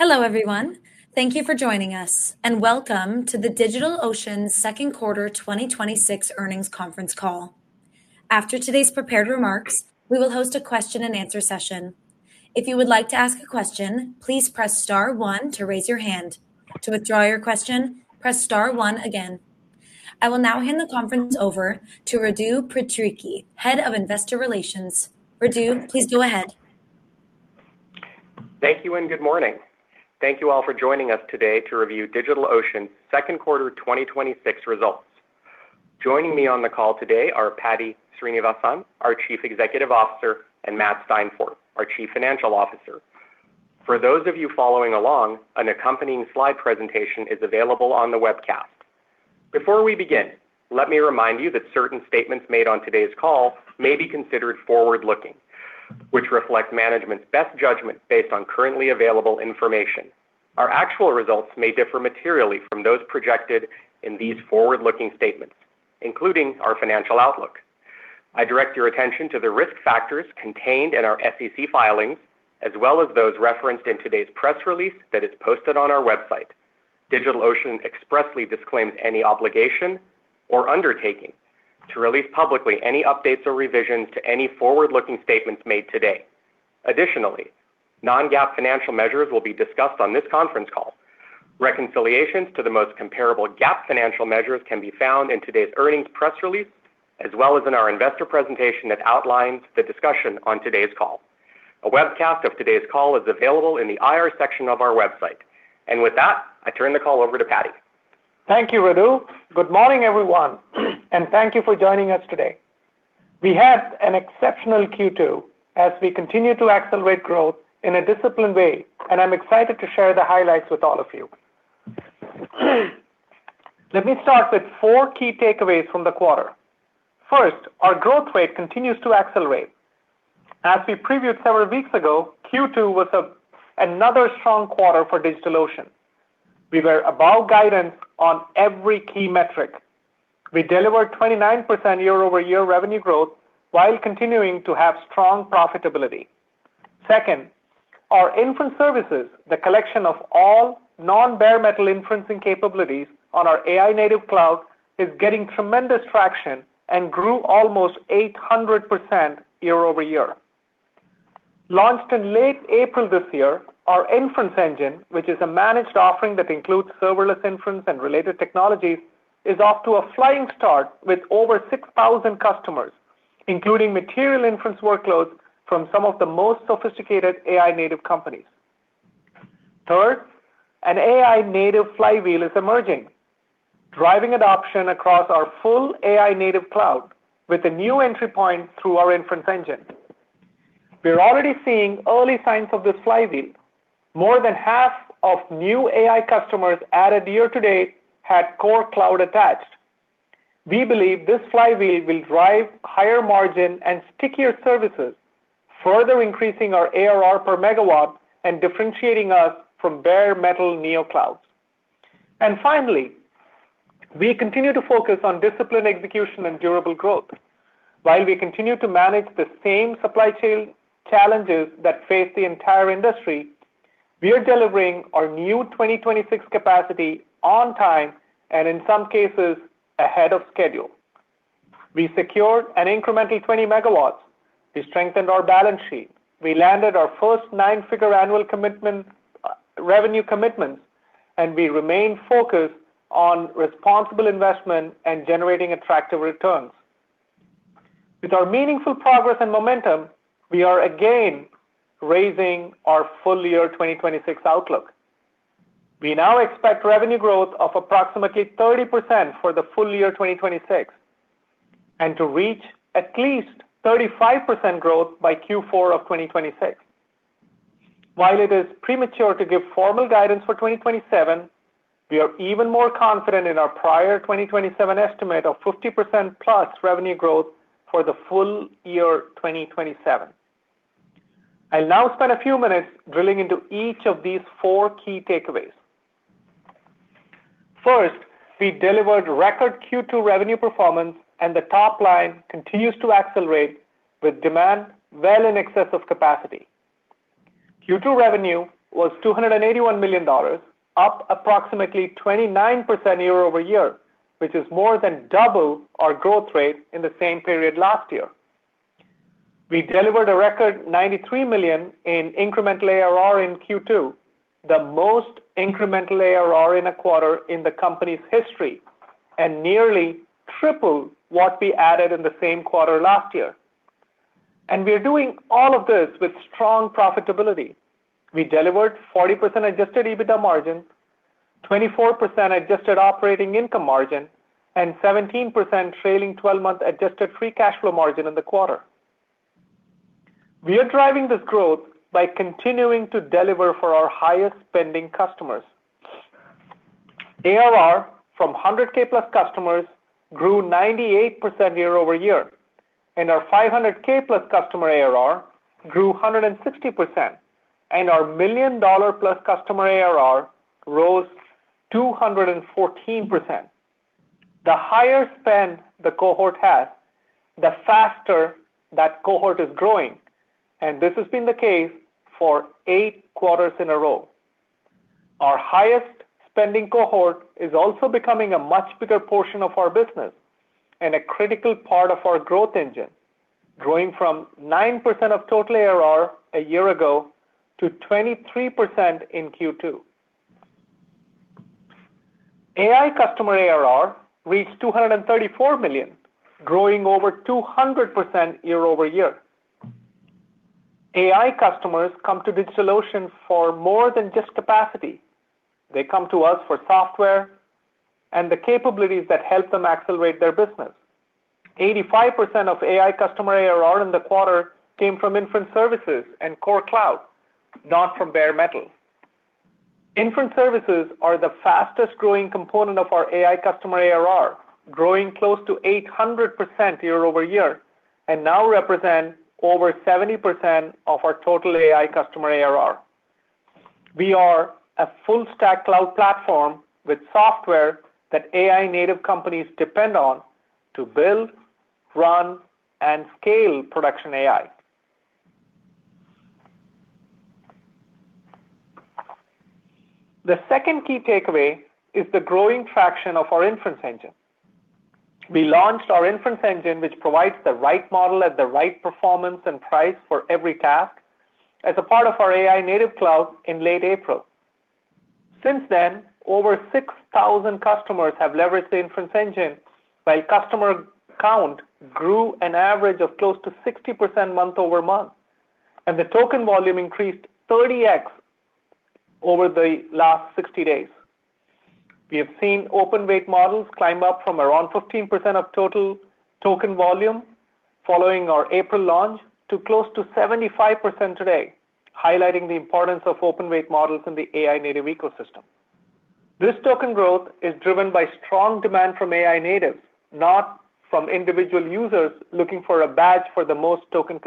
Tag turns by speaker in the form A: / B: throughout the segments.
A: Hello, everyone. Thank you for joining us, and welcome to the DigitalOcean second quarter 2026 earnings conference call. After today's prepared remarks, we will host a question-and-answer session. If you would like to ask a question, please press star one to raise your hand. To withdraw your question, press star one again. I will now hand the conference over to Radu Patrichi, Head of Investor Relations. Radu, please go ahead.
B: Thank you, and good morning. Thank you all for joining us today to review DigitalOcean's second quarter 2026 results. Joining me on the call today are Paddy Srinivasan, our Chief Executive Officer, and Matt Steinfort, our Chief Financial Officer. For those of you following along, an accompanying slide presentation is available on the webcast. Before we begin, let me remind you that certain statements made on today's call may be considered forward-looking, which reflect management's best judgment based on currently available information. Our actual results may differ materially from those projected in these forward-looking statements, including our financial outlook. I direct your attention to the risk factors contained in our SEC filings, as well as those referenced in today's press release that is posted on our website. DigitalOcean expressly disclaims any obligation or undertaking to release publicly any updates or revisions to any forward-looking statements made today. Additionally, non-GAAP financial measures will be discussed on this conference call. Reconciliations to the most comparable GAAP financial measures can be found in today's earnings press release, as well as in our investor presentation that outlines the discussion on today's call. A webcast of today's call is available in the IR section of our website. With that, I turn the call over to Paddy.
C: Thank you, Radu. Good morning, everyone, and thank you for joining us today. We had an exceptional Q2 as we continue to accelerate growth in a disciplined way, and I'm excited to share the highlights with all of you. Let me start with four key takeaways from the quarter. First, our growth rate continues to accelerate. As we previewed several weeks ago, Q2 was another strong quarter for DigitalOcean. We were above guidance on every key metric. We delivered 29% year-over-year revenue growth while continuing to have strong profitability. Second, our inference services, the collection of all non-Bare Metal inferencing capabilities on our AI-Native Cloud, is getting tremendous traction and grew almost 800% year-over-year. Launched in late April this year, our Inference Engine, which is a managed offering that includes serverless inference and related technologies, is off to a flying start with over 6,000 customers, including material inference workloads from some of the most sophisticated AI-native companies. Third, an AI-native flywheel is emerging, driving adoption across our full AI-Native Cloud with a new entry point through our Inference Engine. We are already seeing early signs of this flywheel. More than half of new AI customers added year-to-date had Core Cloud attached. We believe this flywheel will drive higher margin and stickier services, further increasing our ARR per megawatt and differentiating us from Bare Metal neoclouds. And finally, we continue to focus on disciplined execution and durable growth. While we continue to manage the same supply chain challenges that face the entire industry, we are delivering our new 2026 capacity on time and, in some cases, ahead of schedule. We secured an incremental 20 MW. We strengthened our balance sheet. We landed our first nine-figure annual revenue commitments. And we remain focused on responsible investment and generating attractive returns. With our meaningful progress and momentum, we are again raising our full year 2026 outlook. We now expect revenue growth of approximately 30% for the full year 2026, and to reach at least 35% growth by Q4 of 2026. While it is premature to give formal guidance for 2027, we are even more confident in our prior 2027 estimate of 50%+ revenue growth for the full year 2027. I'll now spend a few minutes drilling into each of these four key takeaways. First, we delivered record Q2 revenue performance, and the top line continues to accelerate with demand well in excess of capacity. Q2 revenue was $281 million, up approximately 29% year-over-year, which is more than double our growth rate in the same period last year. We delivered a record $93 million in incremental ARR in Q2, the most incremental ARR in a quarter in the company's history and nearly triple what we added in the same quarter last year. And we are doing all of this with strong profitability. We delivered 40% adjusted EBITDA margin, 24% adjusted operating income margin, and 17% trailing 12-month adjusted free cash flow margin in the quarter. We are driving this growth by continuing to deliver for our highest spending customers. ARR from $100,000+ customers grew 98% year-over-year, and our $500,000+ customer ARR grew 160%, and our $1 million+ customer ARR rose 214%. The higher spend the cohort has, the faster that cohort is growing, and this has been the case for eight quarters in a row. Our highest spending cohort is also becoming a much bigger portion of our business and a critical part of our growth engine, growing from 9% of total ARR a year ago to 23% in Q2. AI customer ARR reached $234 million, growing over 200% year-over-year. AI customers come to DigitalOcean for more than just capacity. They come to us for software and the capabilities that help them accelerate their business. 85% of AI customer ARR in the quarter came from inference services and Core Cloud, not from Bare Metal. Inference services are the fastest growing component of our AI customer ARR, growing close to 800% year-over-year, and now represent over 70% of our total AI customer ARR. We are a full stack cloud platform with software that AI-native companies depend on to build, run, and scale production AI. The second key takeaway is the growing traction of our Inference Engine. We launched our Inference Engine, which provides the right model at the right performance and price for every task, as a part of our AI-Native Cloud in late April. Since then, over 6,000 customers have leveraged the Inference Engine, while customer count grew an average of close to 60% month-over-month, and the token volume increased 30x over the last 60 days. We have seen open-weight models climb up from around 15% of total token volume following our April launch to close to 75% today, highlighting the importance of open-weight models in the AI-native ecosystem. This token growth is driven by strong demand from AI natives, not from individual users looking for a badge for the most token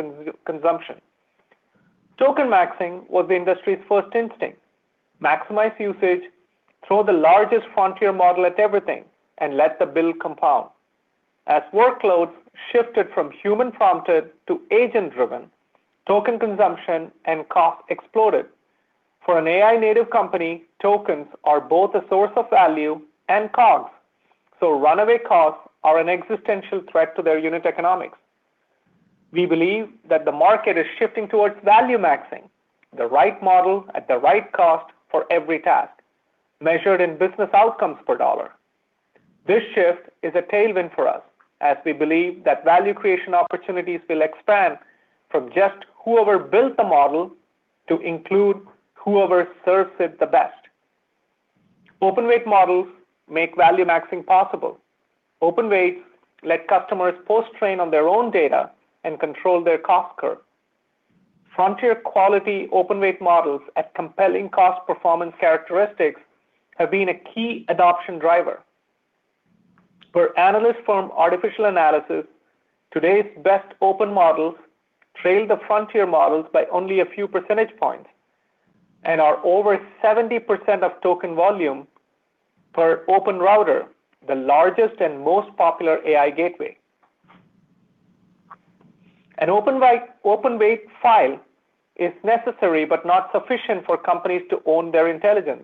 C: consumption. Token maxing was the industry's first instinct. Maximize usage, throw the largest frontier model at everything, and let the build compound. As workloads shifted from human-prompted to agent-driven, token consumption and cost exploded. For an AI-native company, tokens are both a source of value and cost, so runaway costs are an existential threat to their unit economics. We believe that the market is shifting towards value maxing, the right model at the right cost for every task, measured in business outcomes per dollar. This shift is a tailwind for us as we believe that value creation opportunities will expand from just whoever built the model to include whoever serves it the best. Open-weight models make value maxing possible. Open weights let customers post-train on their own data and control their cost curve. Frontier quality open-weight models at compelling cost performance characteristics have been a key adoption driver. Per analyst from Artificial Analysis, today's best open models trail the frontier models by only a few percentage points and are over 70% of token volume per OpenRouter, the largest and most popular AI gateway. An open weight file is necessary but not sufficient for companies to own their intelligence.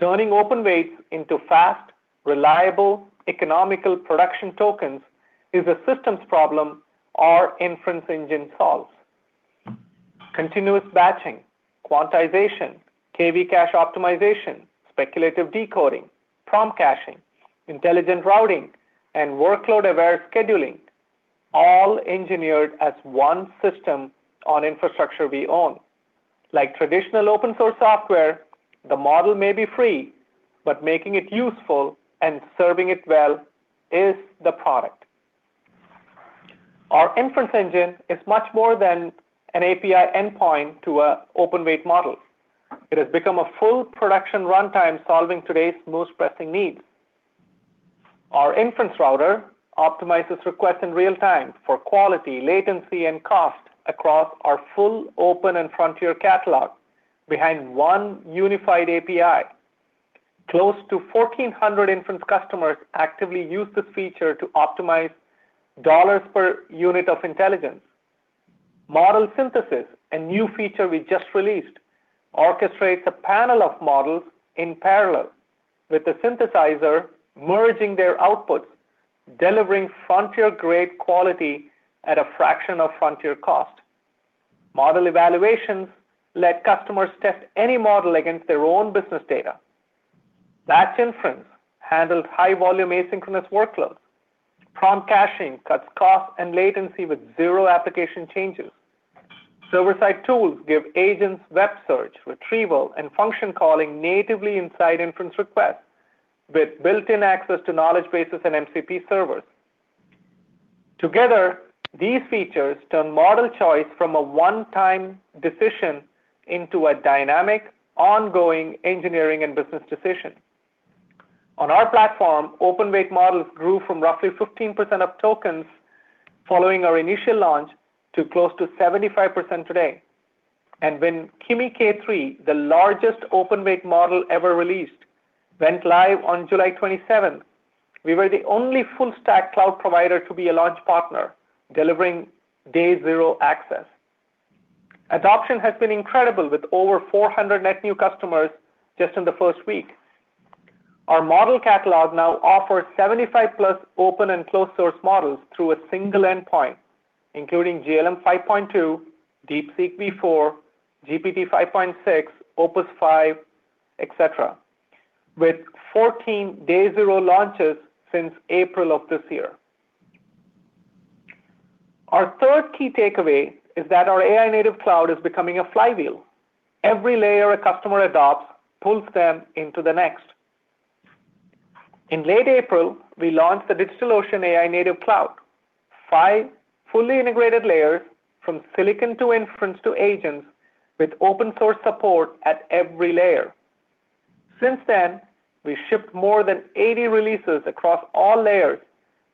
C: Turning open weights into fast, reliable, economical production tokens is a systems problem our Inference Engine solves. Continuous batching, quantization, KV cache optimization, speculative decoding, prompt caching, intelligent routing, and workload-aware scheduling, all engineered as one system on infrastructure we own. Like traditional open source software, the model may be free, but making it useful and serving it well is the product. Our Inference Engine is much more than an API endpoint to an open-weight model. It has become a full production runtime solving today's most pressing needs. Our Inference Router optimizes requests in real time for quality, latency, and cost across our full open and frontier catalog behind one unified API. Close to 1,400 inference customers actively use this feature to optimize dollars per unit of intelligence. Model synthesis, a new feature we just released, orchestrates a panel of models in parallel with the synthesizer merging their outputs, delivering frontier-grade quality at a fraction of frontier cost. Model evaluations let customers test any model against their own business data. Batch inference handles high volume asynchronous workloads. Prompt caching cuts cost and latency with zero application changes. Server-side tools give agents web search, retrieval, and function calling natively inside inference requests with built-in access to knowledge bases and MCP servers. Together, these features turn model choice from a one-time decision into a dynamic, ongoing engineering and business decision. On our platform, open-weight models grew from roughly 15% of tokens following our initial launch to close to 75% today. When Kimi K3, the largest open-weight model ever released, went live on July 27th, we were the only full stack cloud provider to be a launch partner, delivering day zero access. Adoption has been incredible, with over 400 net new customers just in the first week. Our model catalog now offers 75+ open and closed source models through a single endpoint, including GLM-5.2, DeepSeek-V4, GPT-5.6, Opus 5, et cetera, with 14-day zero launches since April of this year. Our third key takeaway is that our AI-Native Cloud is becoming a flywheel. Every layer a customer adopts pulls them into the next. In late April, we launched the DigitalOcean AI-Native Cloud, five fully integrated layers from silicon to inference to agents with open-source support at every layer. Since then, we shipped more than 80 releases across all layers,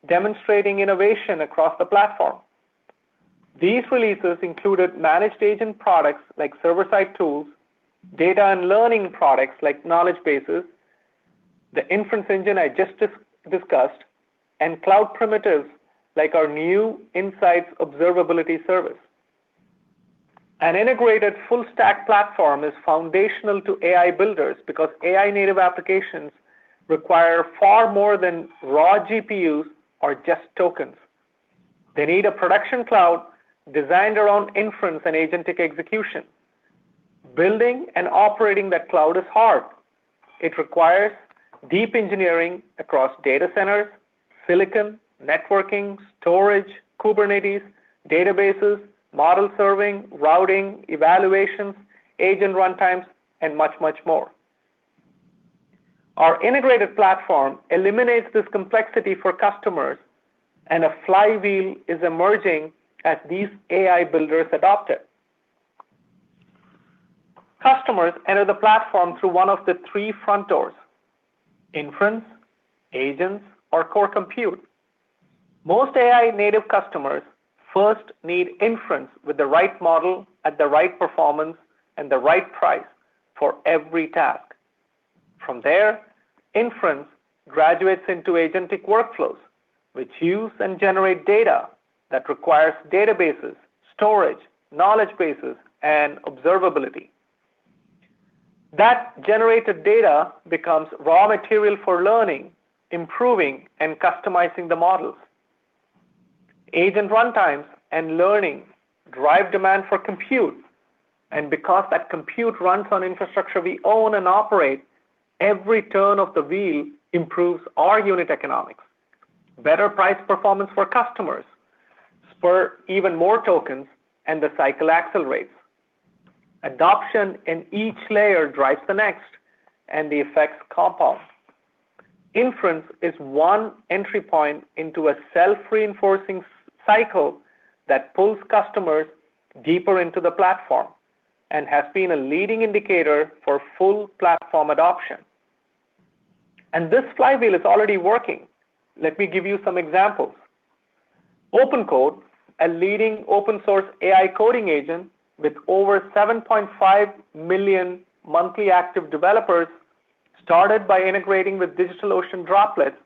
C: demonstrating innovation across the platform. These releases included managed agent products like server-side tools, data and learning products like knowledge bases, the Inference Engine I just discussed, and cloud primitives like our new Insights observability service. An integrated full stack platform is foundational to AI builders because AI-native applications require far more than raw GPUs or just tokens. They need a production cloud designed around inference and agentic execution. Building and operating that cloud is hard. It requires deep engineering across data centers, silicon, networking, storage, Kubernetes, databases, model serving, routing, evaluations, agent runtimes, and much, much more. Our integrated platform eliminates this complexity for customers, and a flywheel is emerging as these AI builders adopt it. Customers enter the platform through one of the three front doors: inference, agents, or core compute. Most AI-native customers first need inference with the right model at the right performance and the right price for every task. From there, inference graduates into agentic workflows, which use and generate data that requires databases, storage, knowledge bases, and observability. That generated data becomes raw material for learning, improving, and customizing the models. Agent runtimes and learning drive demand for compute, and because that compute runs on infrastructure we own and operate, every turn of the wheel improves our unit economics. Better price performance for customers spurs even more tokens and the cycle accelerates. Adoption in each layer drives the next, and the effects compound. Inference is one entry point into a self-reinforcing cycle that pulls customers deeper into the platform and has been a leading indicator for full platform adoption. And this flywheel is already working. Let me give you some examples. OpenCode, a leading open-source AI coding agent with over 7.5 million monthly active developers, started by integrating with DigitalOcean Droplets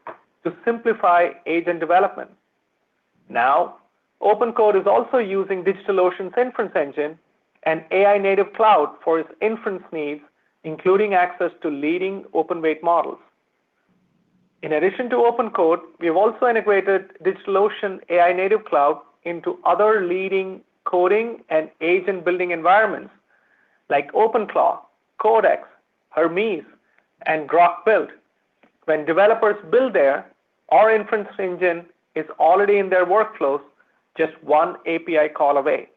C: to simplify agent development. Now, OpenCode is also using DigitalOcean's Inference Engine and AI-Native Cloud for its inference needs, including access to leading open-weight models. In addition to OpenCode, we've also integrated DigitalOcean AI-Native Cloud into other leading coding and agent building environments like OpenClaw, Codex, Hermes, and Grok Build. When developers build there, our Inference Engine is already in their workflows, just one API call away.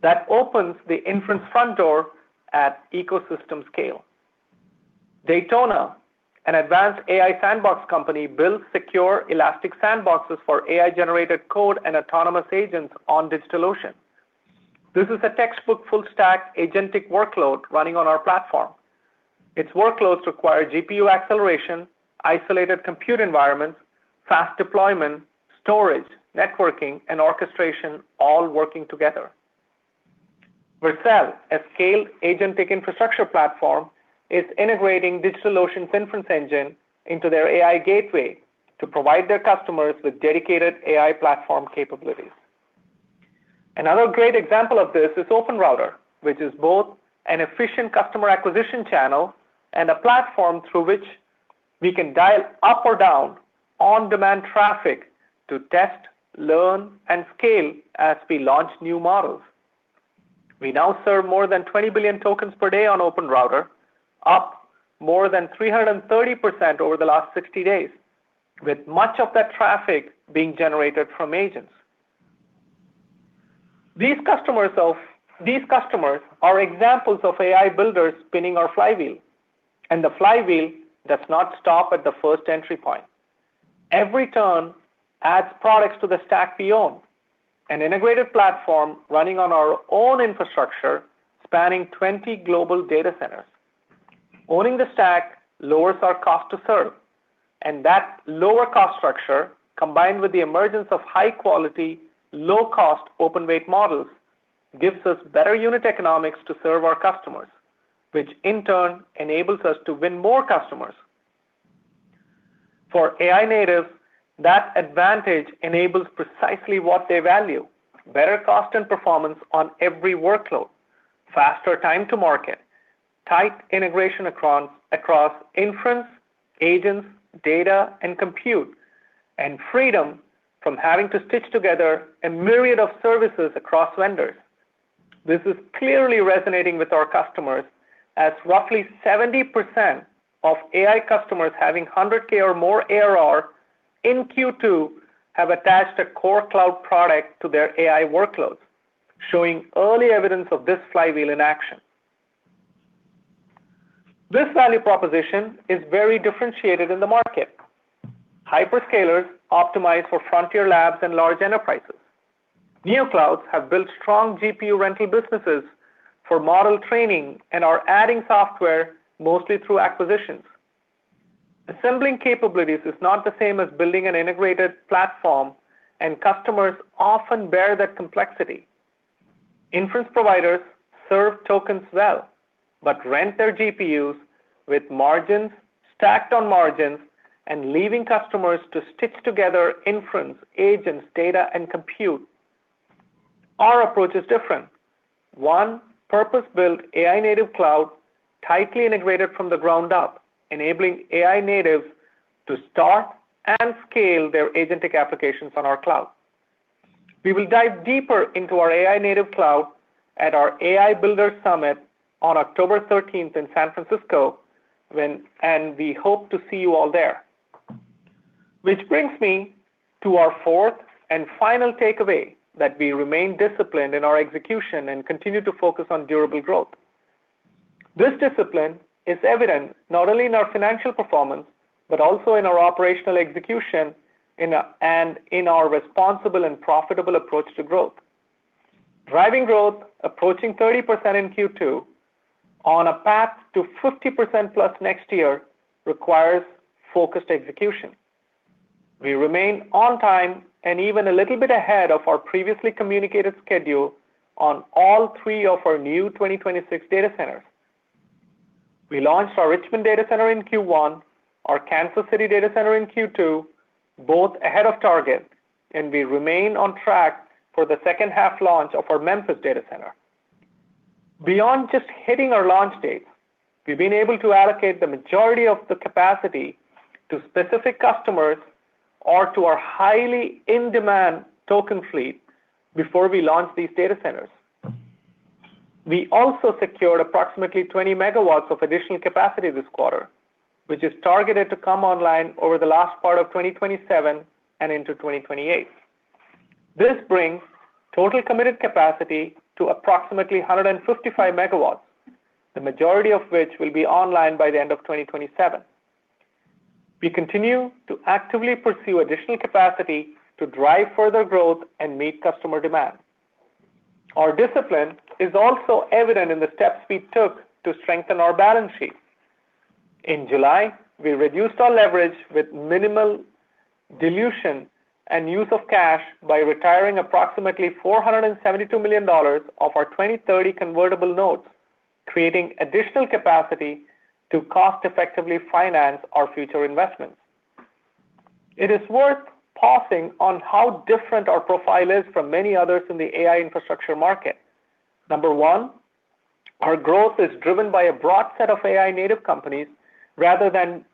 C: That opens the inference front door at ecosystem scale. Daytona, an advanced AI sandbox company, builds secure elastic sandboxes for AI-generated code and autonomous agents on DigitalOcean. This is a textbook full stack agentic workload running on our platform. Its workloads require GPU acceleration, isolated compute environments, fast deployment, storage, networking, and orchestration all working together. Vercel, a scale agentic infrastructure platform, is integrating DigitalOcean's Inference Engine into their AI gateway to provide their customers with dedicated AI platform capabilities. Another great example of this is OpenRouter, which is both an efficient customer acquisition channel and a platform through which we can dial up or down on-demand traffic to test, learn, and scale as we launch new models. We now serve more than 20 billion tokens per day on OpenRouter, up more than 330% over the last 60 days, with much of that traffic being generated from agents. These customers are examples of AI builders spinning our flywheel, and the flywheel does not stop at the first entry point. Every turn adds products to the stack we own, an integrated platform running on our own infrastructure, spanning 20 global data centers. Owning the stack lowers our cost to serve, and that lower cost structure, combined with the emergence of high-quality, low-cost open-weight models, gives us better unit economics to serve our customers, which in turn enables us to win more customers. For AI natives, that advantage enables precisely what they value: better cost and performance on every workload, faster time to market, tight integration across inference, agents, data, and compute, and freedom from having to stitch together a myriad of services across vendors. This is clearly resonating with our customers, as roughly 70% of AI customers having $100,000 or more ARR in Q2 have attached a Core Cloud product to their AI workloads, showing early evidence of this flywheel in action. This value proposition is very differentiated in the market. Hyperscalers optimize for frontier labs and large enterprises. Neoclouds have built strong GPU rental businesses for model training and are adding software mostly through acquisitions. Assembling capabilities is not the same as building an integrated platform, and customers often bear that complexity. Inference providers serve tokens well but rent their GPUs with margins stacked on margins and leaving customers to stitch together inference, agents, data, and compute. Our approach is different. One purpose-built AI-Native Cloud tightly integrated from the ground up, enabling AI natives to start and scale their agentic applications on our cloud. We will dive deeper into our AI-Native Cloud at our AI builders' summit on October 13th in San Francisco, and we hope to see you all there. Which brings me to our fourth and final takeaway, that we remain disciplined in our execution and continue to focus on durable growth. This discipline is evident not only in our financial performance, but also in our operational execution and in our responsible and profitable approach to growth. Driving growth approaching 30% in Q2 on a path to 50%+ next year requires focused execution. We remain on time and even a little bit ahead of our previously communicated schedule on all three of our new 2026 data centers. We launched our Richmond data center in Q1, our Kansas City data center in Q2, both ahead of target, and we remain on track for the second half launch of our Memphis data center. Beyond just hitting our launch dates, we've been able to allocate the majority of the capacity to specific customers or to our highly in-demand token fleet before we launch these data centers. We also secured approximately 20 MW of additional capacity this quarter, which is targeted to come online over the last part of 2027 and into 2028. This brings total committed capacity to approximately 155 MW, the majority of which will be online by the end of 2027. We continue to actively pursue additional capacity to drive further growth and meet customer demand. Our discipline is also evident in the steps we took to strengthen our balance sheet. In July, we reduced our leverage with minimal dilution and use of cash by retiring approximately $472 million of our 2030 convertible notes, creating additional capacity to cost effectively finance our future investments. It is worth pausing on how different our profile is from many others in the AI infrastructure market. Number one, our growth is driven by a broad set of AI-native companies rather than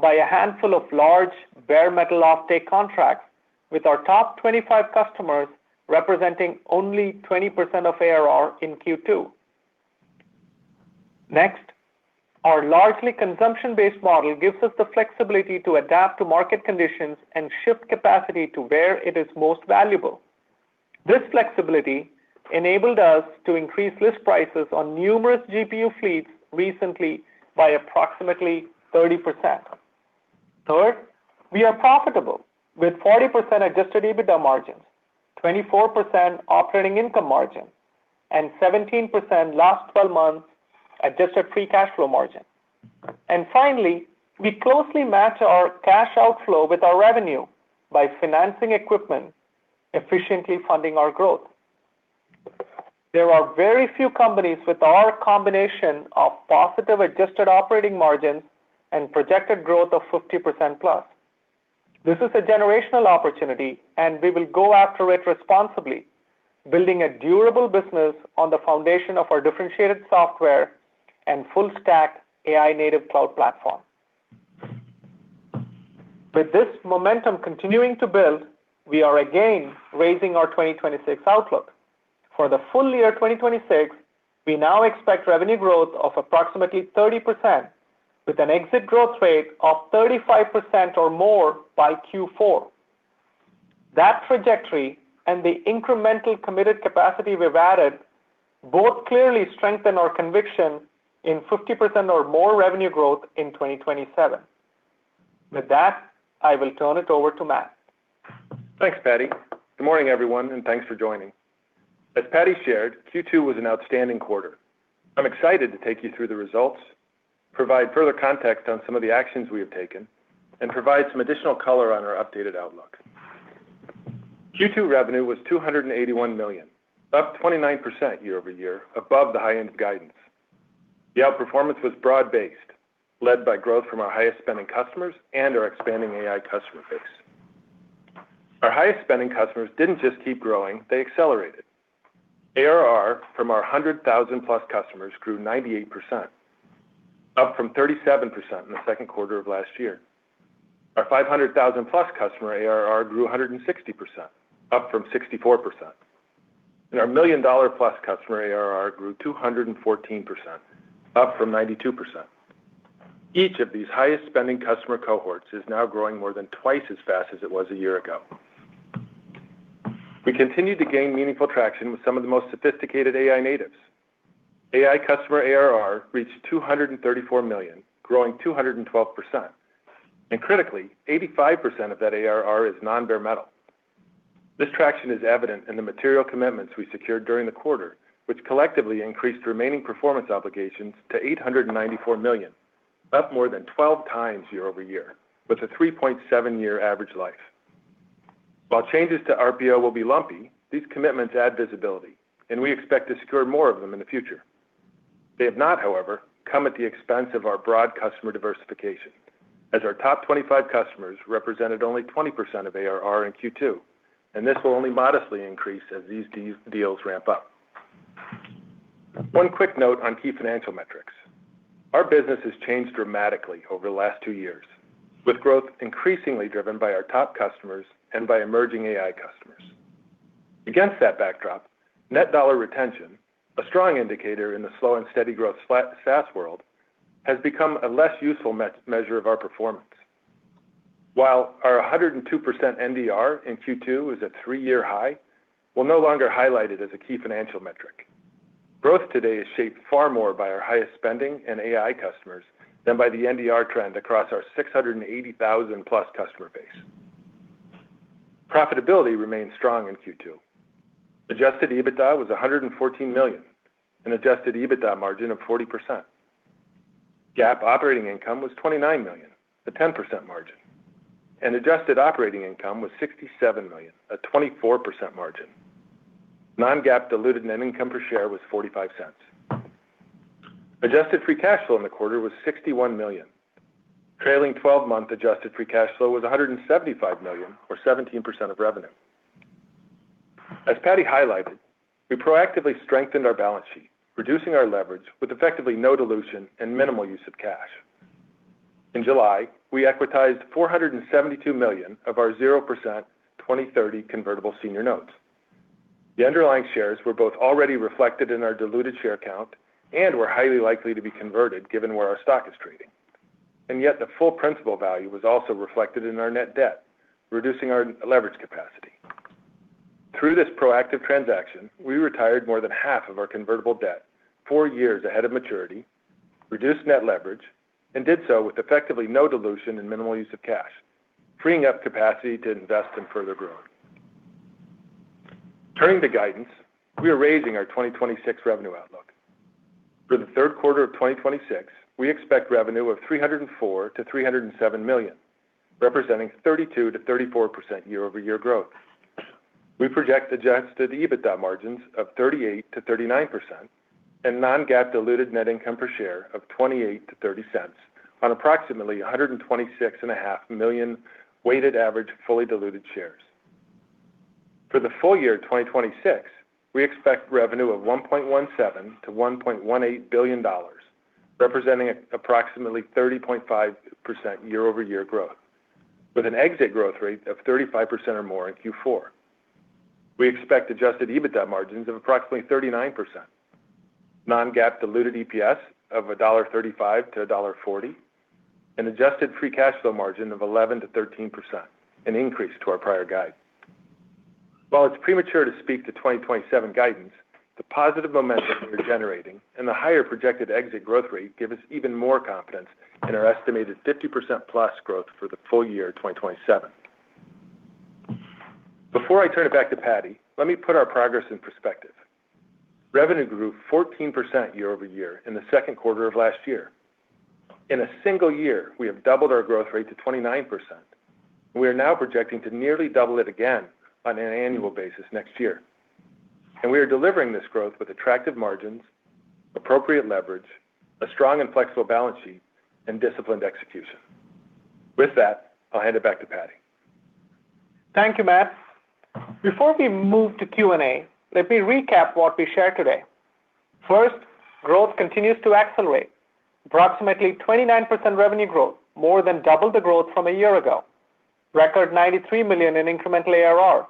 C: by a handful of large, Bare Metal offtake contracts with our top 25 customers representing only 20% of ARR in Q2. Next, our largely consumption-based model gives us the flexibility to adapt to market conditions and shift capacity to where it is most valuable. This flexibility enabled us to increase list prices on numerous GPU fleets recently by approximately 30%. Third, we are profitable with 40% adjusted EBITDA margins, 24% operating income margin, and 17% last 12 months adjusted free cash flow margin. Finally, we closely match our cash outflow with our revenue by financing equipment, efficiently funding our growth. There are very few companies with our combination of positive adjusted operating margins and projected growth of 50%+. This is a generational opportunity, and we will go after it responsibly, building a durable business on the foundation of our differentiated software and full stack AI-Native Cloud platform. With this momentum continuing to build, we are again raising our 2026 outlook. For the full year 2026, we now expect revenue growth of approximately 30%, with an exit growth rate of 35% or more by Q4. That trajectory and the incremental committed capacity we've added both clearly strengthen our conviction in 50% or more revenue growth in 2027. With that, I will turn it over to Matt.
D: Thanks, Paddy. Good morning, everyone, and thanks for joining. As Paddy shared, Q2 was an outstanding quarter. I'm excited to take you through the results, provide further context on some of the actions we have taken, and provide some additional color on our updated outlook. Q2 revenue was $281 million, up 29% year-over-year above the high end of guidance. The outperformance was broad-based, led by growth from our highest spending customers and our expanding AI customer base. Our highest spending customers didn't just keep growing, they accelerated. ARR from our $100,000+ customers grew 98%, up from 37% in the second quarter of last year. Our $500,000+ customer ARR grew 160%, up from 64%. Our $1 million+ customer ARR grew 214%, up from 92%. Each of these highest spending customer cohorts is now growing more than twice as fast as it was a year ago. We continued to gain meaningful traction with some of the most sophisticated AI natives. AI customer ARR reached $234 million, growing 212%. And critically, 85% of that ARR is non-Bare Metal. This traction is evident in the material commitments we secured during the quarter, which collectively increased remaining performance obligations to $894 million, up more than 12x year-over-year, with a 3.7-year average life. While changes to RPO will be lumpy, these commitments add visibility, and we expect to secure more of them in the future. They have not, however, come at the expense of our broad customer diversification, as our top 25 customers represented only 20% of ARR in Q2, and this will only modestly increase as these deals ramp up. One quick note on key financial metrics. Our business has changed dramatically over the last two years, with growth increasingly driven by our top customers and by emerging AI customers. Against that backdrop, net dollar retention, a strong indicator in the slow and steady growth SaaS world, has become a less useful measure of our performance. While our 102% NDR in Q2 is a three-year high, we'll no longer highlight it as a key financial metric. Growth today is shaped far more by our highest spending in AI customers than by the NDR trend across our 680,000+ customer base. Profitability remained strong in Q2. Adjusted EBITDA was $114 million, an adjusted EBITDA margin of 40%. GAAP operating income was $29 million, a 10% margin, and adjusted operating income was $67 million, a 24% margin. Non-GAAP diluted net income per share was $0.45. Adjusted free cash flow in the quarter was $61 million. Trailing 12-month adjusted free cash flow was $175 million or 17% of revenue. As Paddy highlighted, we proactively strengthened our balance sheet, reducing our leverage with effectively no dilution and minimal use of cash. In July, we equitized $472 million of our 0% 2030 convertible senior notes. The underlying shares were both already reflected in our diluted share count and were highly likely to be converted given where our stock is trading, and yet the full principal value was also reflected in our net debt, reducing our leverage capacity. Through this proactive transaction, we retired more than half of our convertible debt, four years ahead of maturity, reduced net leverage, and did so with effectively no dilution and minimal use of cash, freeing up capacity to invest in further growth. Turning to guidance, we are raising our 2026 revenue outlook. For the third quarter of 2026, we expect revenue of $304 million-$307 million, representing 32%-34% year-over-year growth. We project adjusted EBITDA margins of 38%-39% and non-GAAP diluted net income per share of $0.28-$0.30 on approximately 126.5 million weighted average fully diluted shares. For the full year 2026, we expect revenue of $1.17 billion-$1.18 billion, representing approximately 30.5% year-over-year growth with an exit growth rate of 35% or more in Q4. We expect adjusted EBITDA margins of approximately 39%, non-GAAP diluted EPS of $1.35-$1.40, an adjusted free cash flow margin of 11%-13%, an increase to our prior guide. While it's premature to speak to 2027 guidance, the positive momentum we are generating and the higher projected exit growth rate give us even more confidence in our estimated 50%+ growth for the full year 2027. Before I turn it back to Paddy, let me put our progress in perspective. Revenue grew 14% year-over-year in the second quarter of last year. In a single year, we have doubled our growth rate to 29%, and we are now projecting to nearly double it again on an annual basis next year. We are delivering this growth with attractive margins, appropriate leverage, a strong and flexible balance sheet, and disciplined execution. With that, I'll hand it back to Paddy.
C: Thank you, Matt. Before we move to Q&A, let me recap what we shared today. First, growth continues to accelerate. Approximately 29% revenue growth, more than double the growth from a year ago. Record $93 million in incremental ARR.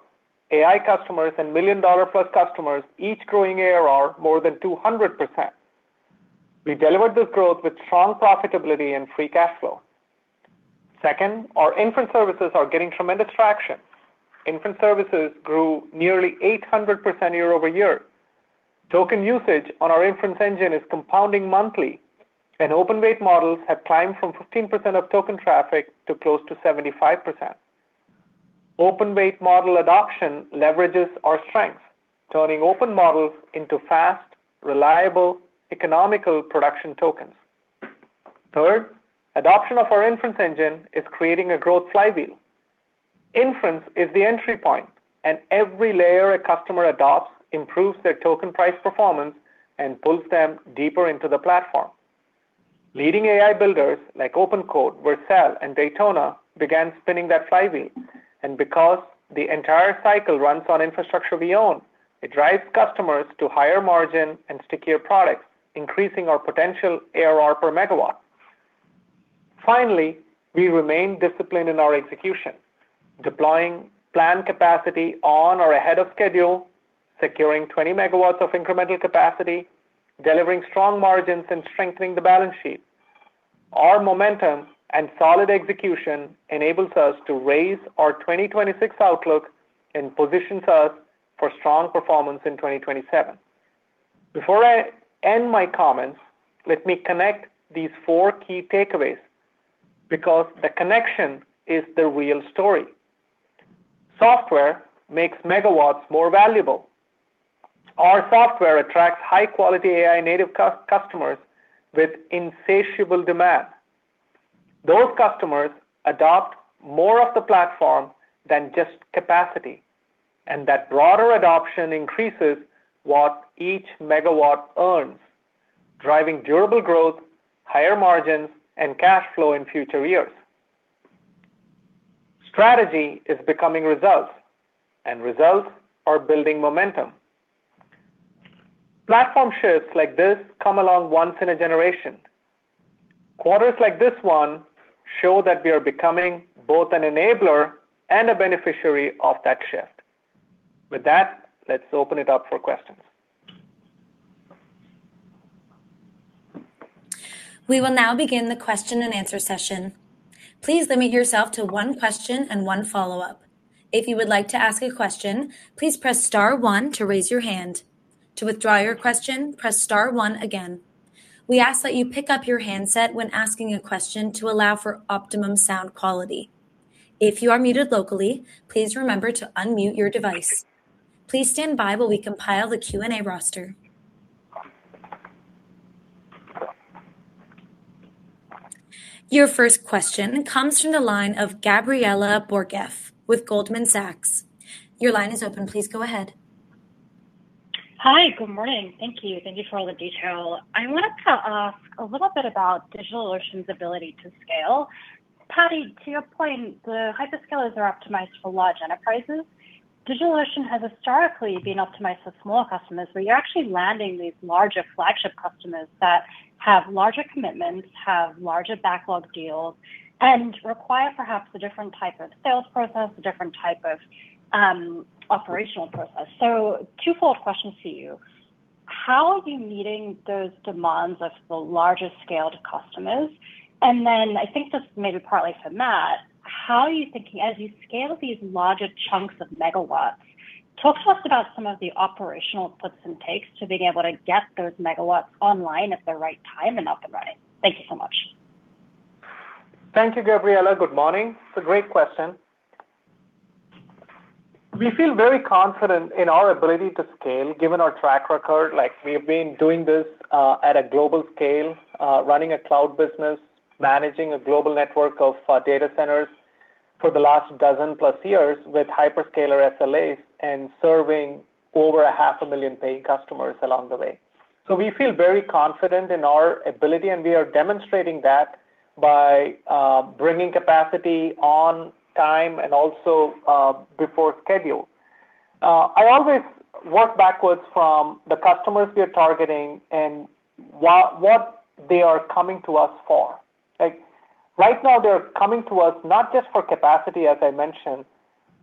C: AI customers and $1 million+ customers each growing ARR more than 200%. We delivered this growth with strong profitability and free cash flow. Second, our inference services are getting tremendous traction. Inference services grew nearly 800% year-over-year. Token usage on our Inference Engine is compounding monthly, and open-weight models have climbed from 15% of token traffic to close to 75%. Open-weight model adoption leverages our strength, turning open models into fast, reliable, economical production tokens. Third, adoption of our Inference Engine is creating a growth flywheel. Inference is the entry point, and every layer a customer adopts improves their token price performance and pulls them deeper into the platform. Leading AI builders like OpenCode, Vercel, and Daytona began spinning that flywheel, and because the entire cycle runs on infrastructure we own, it drives customers to higher margin and stickier products, increasing our potential ARR per megawatt. Finally, we remain disciplined in our execution, deploying planned capacity on or ahead of schedule, securing 20 MW of incremental capacity, delivering strong margins, and strengthening the balance sheet. Our momentum and solid execution enables us to raise our 2026 outlook and positions us for strong performance in 2027. Before I end my comments, let me connect these four key takeaways, because the connection is the real story. Software makes megawatts more valuable. Our software attracts high-quality AI-native customers with insatiable demand. Those customers adopt more of the platform than just capacity, and that broader adoption increases what each megawatt earns, driving durable growth, higher margins, and cash flow in future years. Strategy is becoming results, and results are building momentum. Platform shifts like this come along once in a generation. Quarters like this one show that we are becoming both an enabler and a beneficiary of that shift. With that, let's open it up for questions.
A: We will now begin the question-and-answer session. Please limit yourself to one question and one follow-up. If you would like to ask a question, please press star one to raise your hand. To withdraw your question, press star one again. We ask that you pick up your handset when asking a question to allow for optimum sound quality. If you are muted locally, please remember to unmute your device. Please stand by while we compile the Q&A roster. Your first question comes from the line of Gabriela Borges with Goldman Sachs. Your line is open. Please go ahead.
E: Hi. Good morning. Thank you. Thank you for all the detail. I want to ask a little bit about DigitalOcean's ability to scale. Paddy, to your point, the hyperscalers are optimized for large enterprises. DigitalOcean has historically been optimized for small customers, you're actually landing these larger flagship customers that have larger commitments, have larger backlog deals, and require, perhaps, a different type of sales process, a different type of operational process. So, two follow-up questions for you. How are you meeting those demands of the largest-scaled customers? And then, I think this may be partly for Matt, how are you thinking as you scale these larger chunks of megawatts, talk to us about some of the operational puts and takes to being able to get those megawatts online at the right time and up and running. Thank you so much.
C: Thank you, Gabriela. Good morning. It's a great question. We feel very confident in our ability to scale given our track record, like, we've been doing this at a global scale, running a cloud business, managing a global network of data centers for the last dozen-plus years with hyperscaler SLAs and serving over a half a million paying customers along the way. We feel very confident in our ability, and we are demonstrating that by bringing capacity on time and also before schedule. I always work backwards from the customers we are targeting and what they are coming to us for. Right now, they're coming to us not just for capacity, as I mentioned.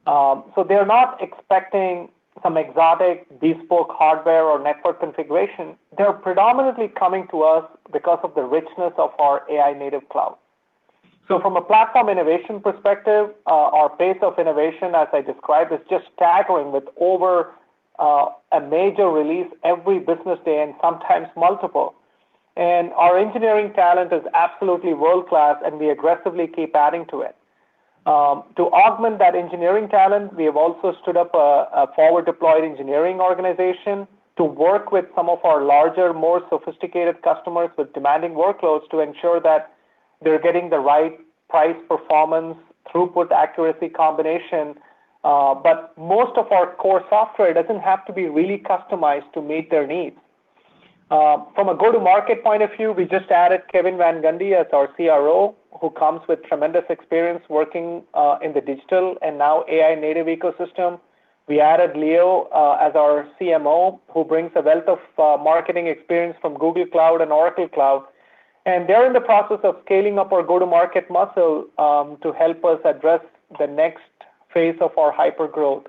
C: They're not expecting some exotic bespoke hardware or network configuration. They're predominantly coming to us because of the richness of our AI-Native Cloud. From a platform innovation perspective, our pace of innovation, as I described, is just staggering with over a major release every business day and sometimes, multiple. And our engineering talent is absolutely world-class, and we aggressively keep adding to it. To augment that engineering talent, we have also stood up a forward deployed engineering organization to work with some of our larger, more sophisticated customers with demanding workloads to ensure that they're getting the right price performance, throughput, accuracy combination. But most of our core software doesn't have to be really customized to meet their needs. From a go-to-market point of view, we just added Kevin Van Gundy as our CRO, who comes with tremendous experience working in the digital and now AI-native ecosystem. We added Leo as our CMO, who brings a wealth of marketing experience from Google Cloud and Oracle Cloud. They're in the process of scaling up our go-to-market muscle to help us address the next phase of our hypergrowth.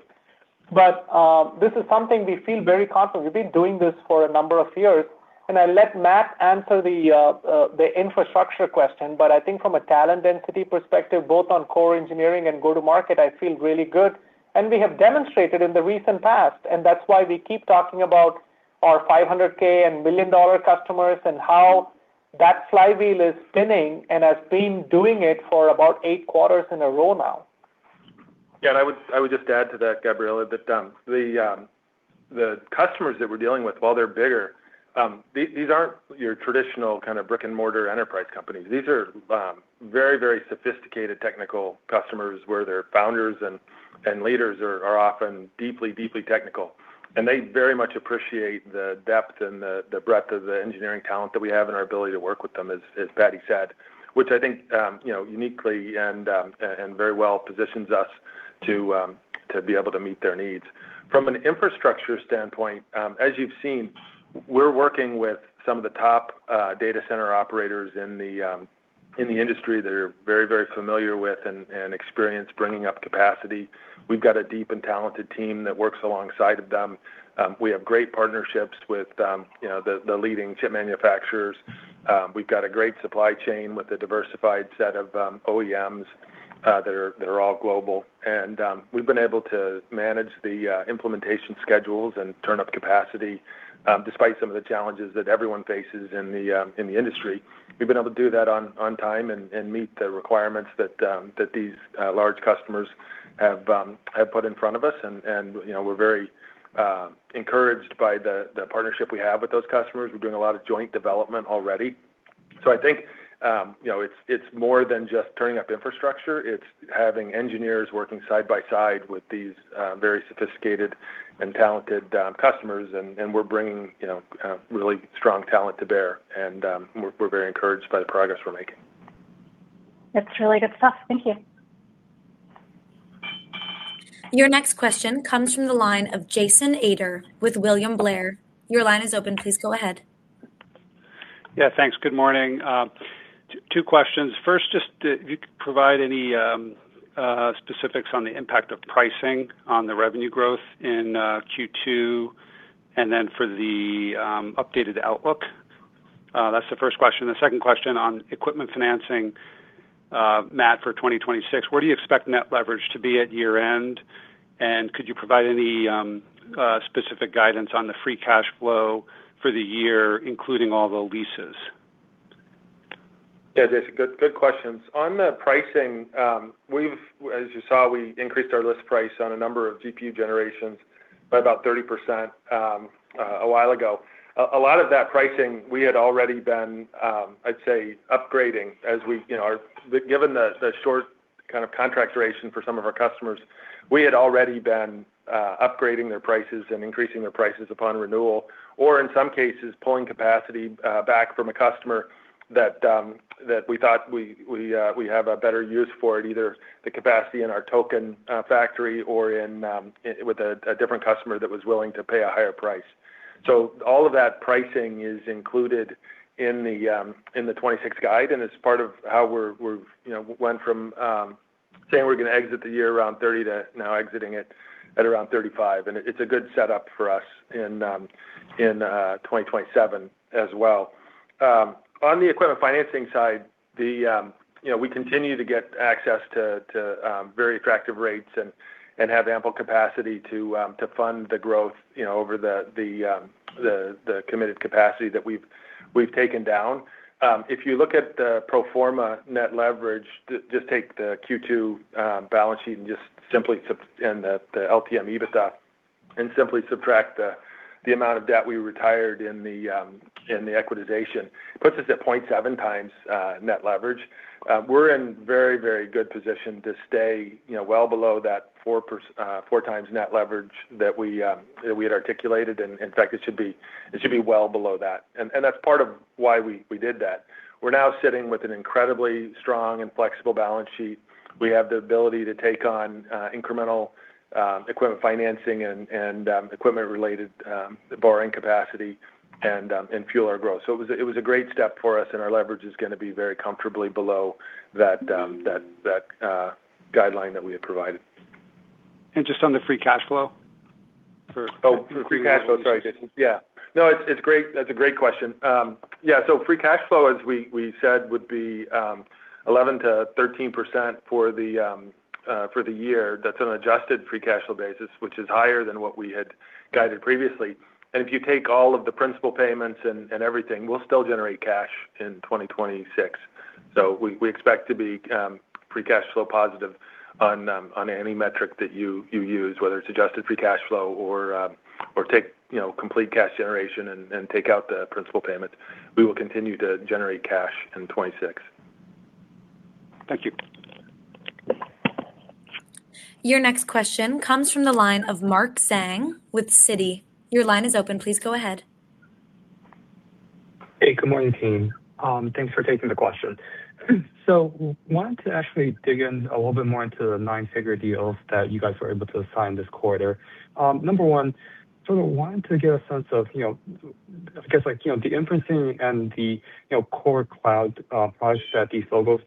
C: This is something we feel very confident. We've been doing this for a number of years, and I'll let Matt answer the infrastructure question, but I think from a talent density perspective, both on core engineering and go-to-market, I feel really good. We have demonstrated in the recent past, and that's why we keep talking about our $500,000 and $1 million customers and how that flywheel is spinning and has been doing it for about eight quarters in a row now.
D: Yeah. I would just add to that, Gabriela, that the customers that we're dealing with, while they're bigger, these aren't your traditional kind of brick-and-mortar enterprise companies. These are very, very sophisticated technical customers, where their founders and leaders are often deeply technical, and they very much appreciate the depth and the breadth of the engineering talent that we have and our ability to work with them, as Paddy said, which I think uniquely and very well positions us to be able to meet their needs. From an infrastructure standpoint, as you've seen, we're working with some of the top data center operators in the industry that are very familiar with and experienced bringing up capacity. We've got a deep and talented team that works alongside of them. We have great partnerships with the leading chip manufacturers. We've got a great supply chain with a diversified set of OEMs that are all global. We've been able to manage the implementation schedules and turn up capacity, despite some of the challenges that everyone faces in the industry. We've been able to do that on time and meet the requirements that these large customers have put in front of us, and we're very encouraged by the partnership we have with those customers. We're doing a lot of joint development already. So, I think it's more than just turning up infrastructure. It's having engineers working side by side with these very sophisticated and talented customers, and we're bringing really strong talent to bear. We're very encouraged by the progress we're making.
E: That's really good stuff. Thank you.
A: Your next question comes from the line of Jason Ader with William Blair. Your line is open. Please go ahead.
F: Yeah, thanks. Good morning. Two questions. First, just if you could provide any specifics on the impact of pricing on the revenue growth in Q2 and then for the updated outlook. That's the first question. The second question on equipment financing, Matt, for 2026, where do you expect net leverage to be at year-end, and could you provide any specific guidance on the free cash flow for the year, including all the leases?
D: Yeah, Jason, good questions. On the pricing, as you saw, we increased our list price on a number of GPU generations by about 30% a while ago. A lot of that pricing we had already been, I'd say, upgrading. Given the short kind of contract duration for some of our customers, we had already been upgrading their prices and increasing their prices upon renewal, or in some cases, pulling capacity back from a customer that we thought we have a better use for it, either the capacity in our token factory or with a different customer that was willing to pay a higher price. All of that pricing is included in the 2026 guide, and it's part of how we went from saying we're going to exit the year around 30% to now exiting it at around 35%. It's a good setup for us in 2027 as well. On the equipment financing side, we continue to get access to very attractive rates and have ample capacity to fund the growth over the committed capacity that we've taken down. If you look at the pro forma net leverage, just take the Q2 balance sheet and the LTM EBITDA, and simply subtract the amount of debt we retired in the equitization, it puts us at 0.7x net leverage. We're in very, very good position to stay well below that 4x net leverage that we had articulated, and in fact, it should be well below that. That's part of why we did that. We're now sitting with an incredibly strong and flexible balance sheet. We have the ability to take on incremental equipment financing and equipment-related borrowing capacity and fuel our growth. So, it was a great step for us, and our leverage is going to be very comfortably below that guideline that we had provided.
F: And just on the free cash flow for.
D: Oh, free cash flow. Sorry, Jason. Yeah. That's a great question. Yeah. So, free cash flow, as we said, would be 11%-13% for the year. That's an adjusted free cash flow basis, which is higher than what we had guided previously. If you take all of the principal payments and everything, we'll still generate cash in 2026. We expect to be free cash flow positive on any metric that you use, whether it's adjusted free cash flow or take complete cash generation and take out the principal payments. We will continue to generate cash in 2026.
F: Thank you.
A: Your next question comes from the line of Mark Zhang with Citi. Your line is open. Please go ahead.
G: Hey, good morning team. Thanks for taking the question. Wanted to actually dig in a little bit more into the nine-figure deals that you guys were able to sign this quarter. Number one, wanted to get a sense of, I guess, the inferencing and the Core Cloud projects that these logos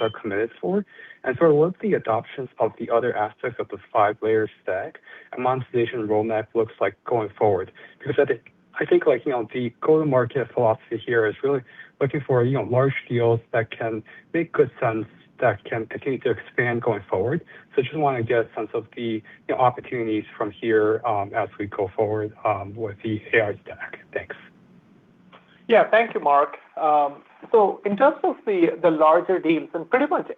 G: are committed for. What's the adoptions of the other aspects of the five-layer stack amongst nation roadmap looks like going forward? I think the go-to-market philosophy here is really looking for large deals that can make good sense, that can continue to expand going forward. I just want to get a sense of the opportunities from here as we go forward with the AI stack. Thanks.
C: Yeah. Thank you, Mark. In terms of the larger deals, and pretty much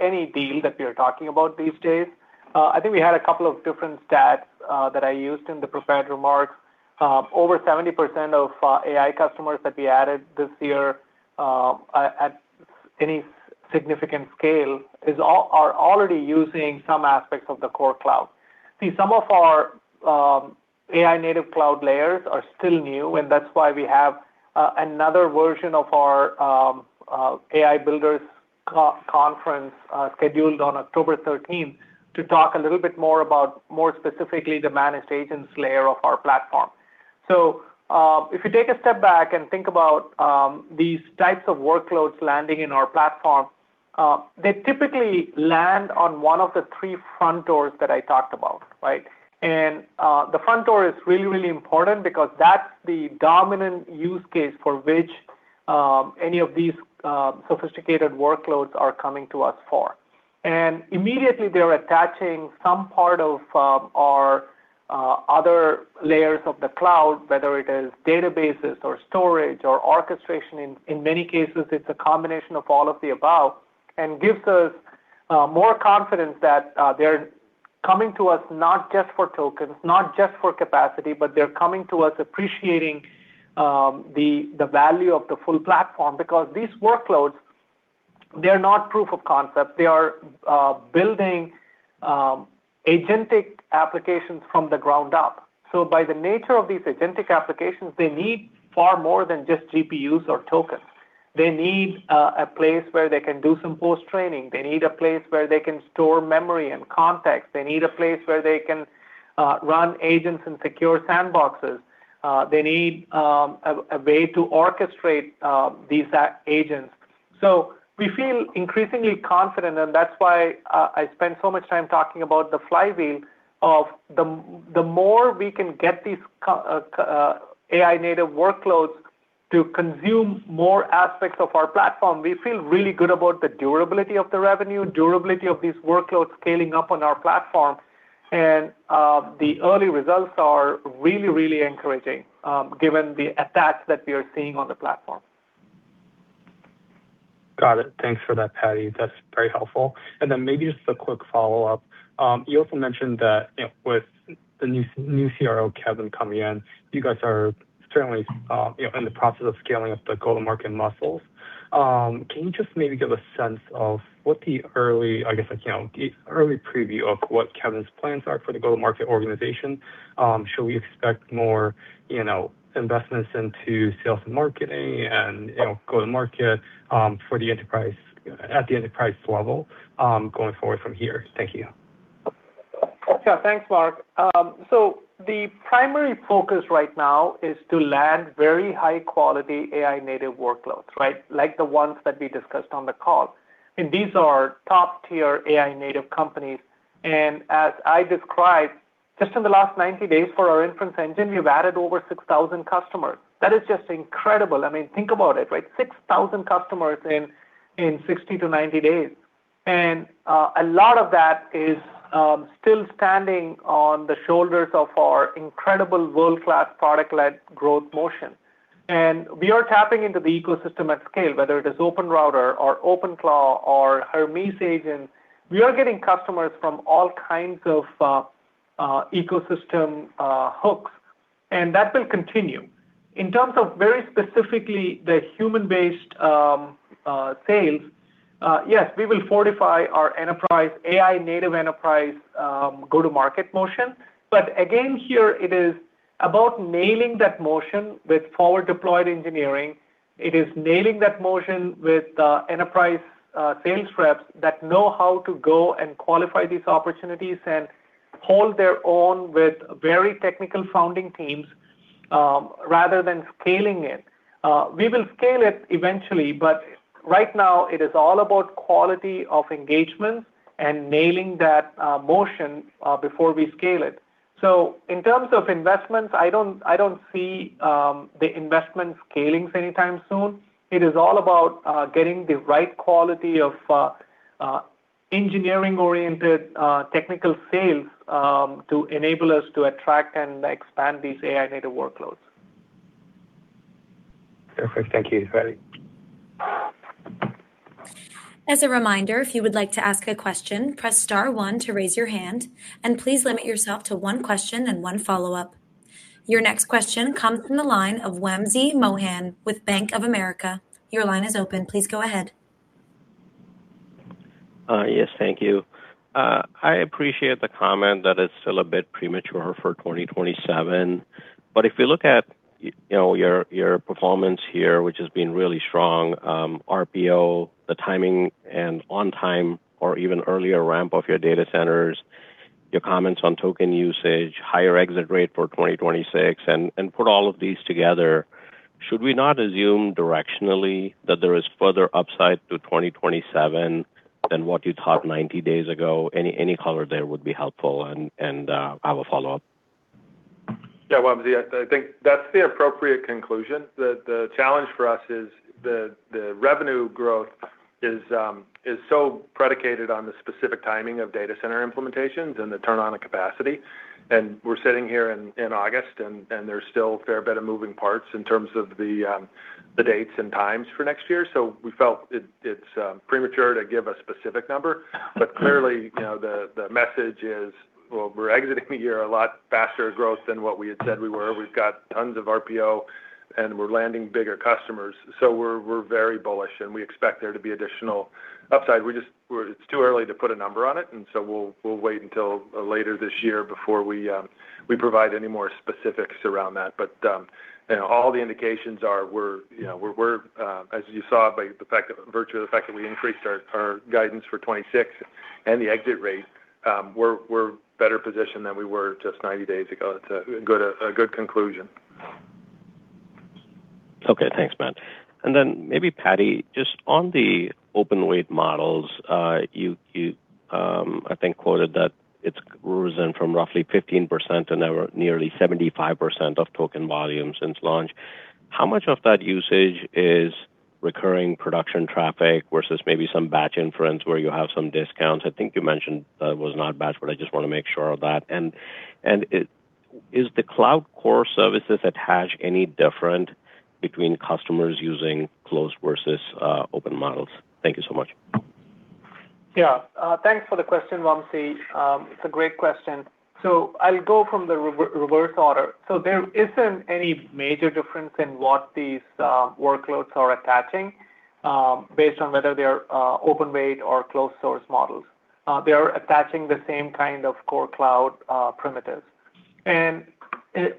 C: any deal that we are talking about these days, I think we had a couple of different stats that I used in the prepared remarks. Over 70% of AI customers that we added this year at any significant scale are already using some aspects of the Core Cloud. Some of our AI-Native Cloud layers are still new, and that's why we have another version of our AI builders conference scheduled on October 13th to talk a little bit more about, more specifically, the managed agents layer of our platform. If you take a step back and think about these types of workloads landing in our platform, they typically land on one of the three front doors that I talked about. Right? And the front door is really, really important because that's the dominant use case for which any of these sophisticated workloads are coming to us for. Immediately, they're attaching some part of our other layers of the cloud, whether it is databases or storage or orchestration. In many cases, it's a combination of all of the above and gives us more confidence that they're coming to us not just for tokens, not just for capacity, but they're coming to us appreciating the value of the full platform because these workloads, they're not proof of concept. They are building agentic applications from the ground up. By the nature of these agentic applications, they need far more than just GPUs or tokens. They need a place where they can do some post-training. They need a place where they can store memory and context. They need a place where they can run agents in secure sandboxes. They need a way to orchestrate these agents. So, we feel increasingly confident, and that's why I spend so much time talking about the flywheel of the more we can get these AI-native workloads to consume more aspects of our platform, we feel really good about the durability of the revenue, durability of these workloads scaling up on our platform, and the early results are really, really encouraging given the attach that we are seeing on the platform.
G: Got it. Thanks for that, Paddy. That's very helpful. And then, maybe, just a quick follow-up. You also mentioned that with the new CRO, Kevin, coming in, you guys are certainly in the process of scaling up the go-to-market muscles. Can you just maybe give a sense of what the early preview of what Kevin's plans are for the go-to-market organization? Should we expect more investments into sales and marketing and go-to-market at the enterprise level going forward from here? Thank you.
C: Thanks, Mark. The primary focus right now is to land very high-quality AI-native workloads, right? Like the ones that we discussed on the call. These are top-tier AI-native companies, and as I described, just in the last 90 days for our Inference Engine, we've added over 6,000 customers. That is just incredible. Think about it, right? 6,000 customers in 60-90 days. And a lot of that is still standing on the shoulders of our incredible world-class product-led growth motion. We are tapping into the ecosystem at scale, whether it is OpenRouter or OpenClaw or Hermes Agent. We are getting customers from all kinds of ecosystem hooks, and that will continue. In terms of very specifically the human-based sales, yes, we will fortify our AI-native enterprise go-to-market motion. But again, here, it is about nailing that motion with forward deployed engineering. It is nailing that motion with enterprise sales reps that know how to go and qualify these opportunities and hold their own with very technical founding teams rather than scaling it. We will scale it eventually, but right now, it is all about quality of engagement and nailing that motion before we scale it. So, in terms of investments, I don't see the investment scalings anytime soon. It is all about getting the right quality of engineering-oriented technical sales to enable us to attract and expand these AI-native workloads.
G: Perfect. Thank you, Paddy.
A: As a reminder, if you would like to ask a question, press star one to raise your hand, and please limit yourself to one question and one follow-up. Your next question comes from the line of Wamsi Mohan with Bank of America. Your line is open. Please go ahead.
H: Yes. Thank you. I appreciate the comment that it's still a bit premature for 2027. But if you look at your performance here, which has been really strong, RPO, the timing, and on time or even earlier ramp of your data centers, your comments on token usage, higher exit rate for 2026, and put all of these together, should we not assume directionally that there is further upside to 2027 than what you thought 90 days ago? Any color there would be helpful, and I have a follow-up.
D: Yeah. Wamsi, I think that's the appropriate conclusion. The challenge for us is the revenue growth is so predicated on the specific timing of data center implementations and the turn-on of capacity. We're sitting here in August, and there's still a fair bit of moving parts in terms of the dates and times for next year, so we felt it's premature to give a specific number. But clearly, the message is, well, we're exiting the year a lot faster growth than what we had said we were. We've got tons of RPO, and we're landing bigger customers, so we're very bullish, and we expect there to be additional upside. It's too early to put a number on it, and so, we'll wait until later this year before we provide any more specifics around that. But all the indications are we're, as you saw by virtue of the fact that we increased our guidance for 2026 and the exit rate, we're better positioned than we were just 90 days ago. It's a good conclusion.
H: Okay. Thanks, Matt. And then, maybe Paddy, just on the open-weight models, you, I think, quoted that it's risen from roughly 15% and now we're nearly 75% of token volume since launch. How much of that usage is recurring production traffic versus maybe some batch inference where you have some discounts? I think you mentioned that was not batch, but I just want to make sure of that. And is the cloud core services attach any different between customers using closed versus open models? Thank you so much.
C: Yeah. Thanks for the question, Wamsi. It's a great question. I'll go from the reverse order. There isn't any major difference in what these workloads are attaching based on whether they're open-weight or closed-source models. They are attaching the same kind of Core Cloud primitives.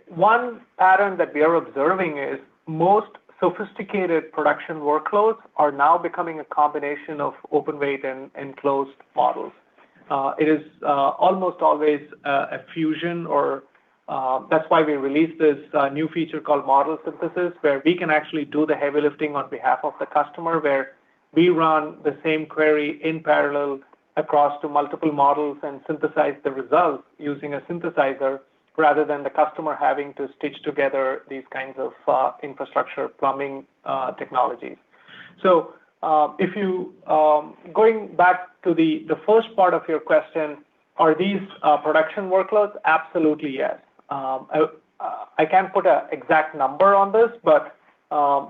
C: One pattern that we are observing is most sophisticated production workloads are now becoming a combination of open-weight and closed models. It is almost always a fusion, or, that's why we released this new feature called model synthesis, where we can actually do the heavy lifting on behalf of the customer, where we run the same query in parallel across to multiple models and synthesize the results using a synthesizer rather than the customer having to stitch together these kinds of infrastructure plumbing technologies. Going back to the first part of your question, are these production workloads? Absolutely, yes. I can't put an exact number on this, but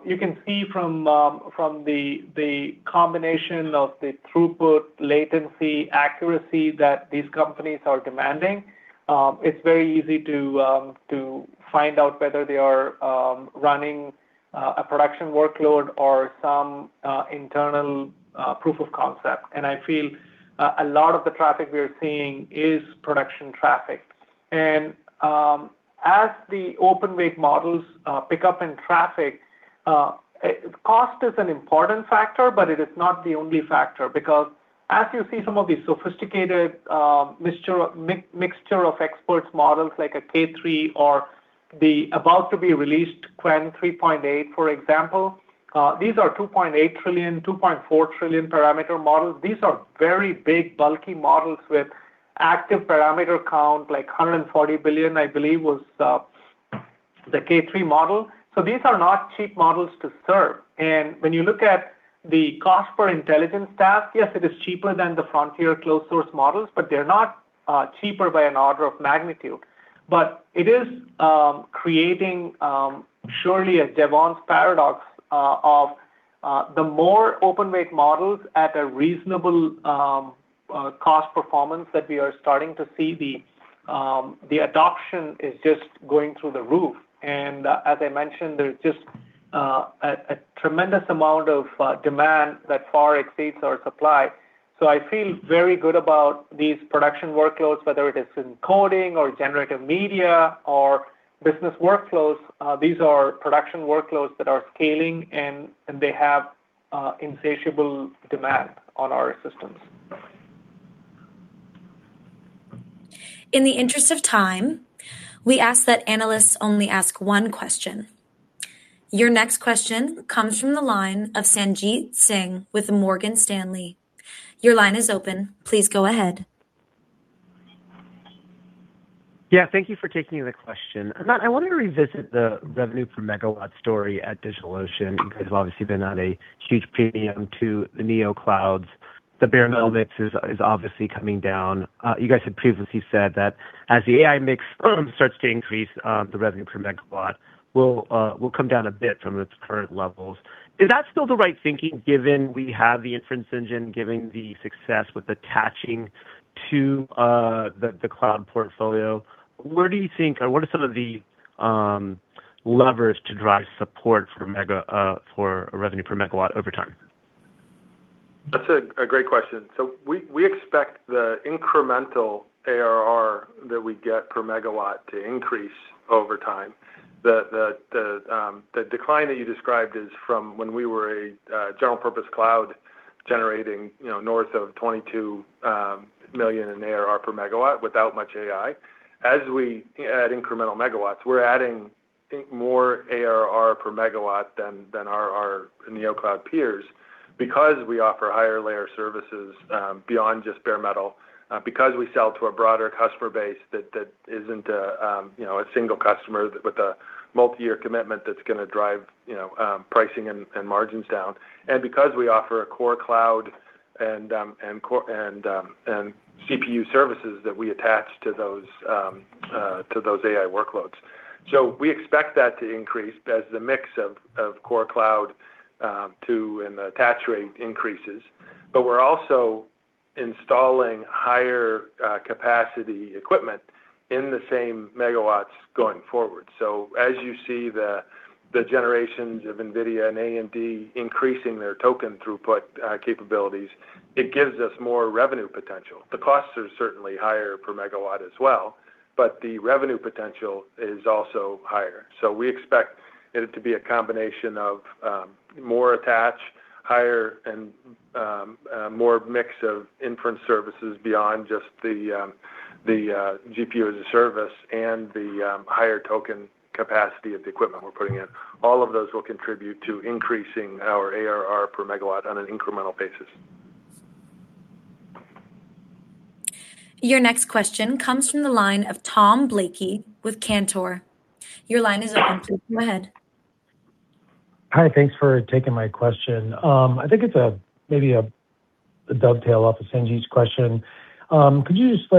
C: you can see from the combination of the throughput, latency, accuracy that these companies are demanding, it's very easy to find out whether they are running a production workload or some internal proof of concept. And I feel a lot of the traffic we are seeing is production traffic. As the open-weight models pick up in traffic, cost is an important factor, but it is not the only factor because as you see some of these sophisticated mixture of experts models like a K3 or the about-to-be-released Qwen 3.8, for example, these are 2.8 trillion, 2.4 trillion parameter models. These are very big, bulky models with active parameter count, like 140 billion, I believe, was the K3 model. These are not cheap models to serve. When you look at the cost per intelligence task, yes, it is cheaper than the frontier closed-source models, but they're not cheaper by an order of magnitude. But it is creating surely a Jevons paradox of the more open-weight models at a reasonable cost performance that we are starting to see, the adoption is just going through the roof. As I mentioned, there's just a tremendous amount of demand that far exceeds our supply. So, I feel very good about these production workloads, whether it is in coding or generative media or business workflows. These are production workloads that are scaling, and they have insatiable demand on our systems.
A: In the interest of time, we ask that analysts only ask one question. Your next question comes from the line of Sanjit Singh with Morgan Stanley. Your line is open. Please go ahead.
I: Yeah. Thank you for taking the question. Matt, I wanted to revisit the revenue per megawatt story at DigitalOcean, because obviously, they're not a huge premium to the neoclouds. The Bare Metal mix is obviously coming down. You guys had previously said that as the AI mix starts to increase, the revenue per megawatt will come down a bit from its current levels. Is that still the right thinking given we have the Inference Engine, given the success with attaching to the cloud portfolio? What do you think, what are some of the levers to drive support for revenue per megawatt over time?
D: That's a great question. We expect the incremental ARR that we get per megawatt to increase over time. The decline that you described is from when we were a general-purpose cloud generating north of $22 million in ARR per megawatt without much AI. As we add incremental megawatts, we're adding, I think, more ARR per megawatt than our neocloud peers because we offer higher layer services beyond just Bare Metal, because we sell to a broader customer base that isn't a single customer with a multi-year commitment that's going to drive pricing and margins down, and because we offer a Core Cloud and CPU services that we attach to those AI workloads. We expect that to increase as the mix of Core Cloud to, and the attach rate increases. We're also installing higher capacity equipment in the same megawatts going forward. As you see the generations of NVIDIA and AMD increasing their token throughput capabilities, it gives us more revenue potential. The costs are certainly higher per megawatt as well, but the revenue potential is also higher. So, we expect it to be a combination of more attach, higher and more mix of inference services beyond just the GPU as a service, and the higher token capacity of the equipment we're putting in. All of those will contribute to increasing our ARR per megawatt on an incremental basis.
A: Your next question comes from the line of Tom Blakey with Cantor. Your line is open. Go ahead.
J: Hi, thanks for taking my question. I think it's maybe a dovetail off of Sanjit's question. Could you just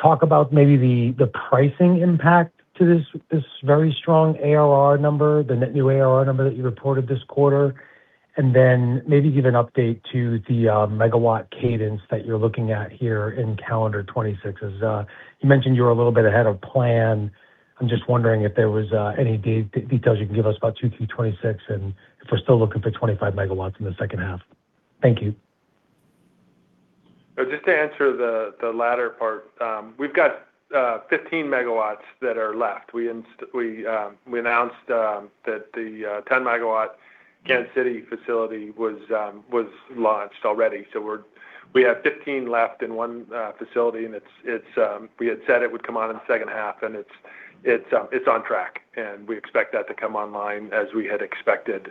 J: talk about maybe the pricing impact to this very strong ARR number, the net new ARR number that you reported this quarter? And then, maybe give an update to the megawatt cadence that you're looking at here in calendar 2026, as you mentioned you're a little bit ahead of plan. I'm just wondering if there was any details you can give us about 2Q 2026 and if we're still looking for 25 MW in the second half. Thank you.
D: Just to answer the latter part, we've got 15 MW that are left. We announced that the 10-MW Kansas City facility was launched already. We have 15 MW left in one facility, and we had said it would come on in the second half, and it's on track. We expect that to come online as we had expected